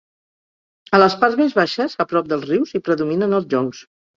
A les parts més baixes a prop dels rius hi predominen els joncs.